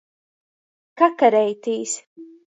Kakareitīs.